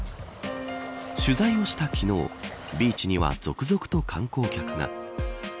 取材をした昨日ビーチには、続々と観光客が。